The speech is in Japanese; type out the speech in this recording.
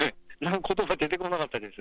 ことば出てこなかったです。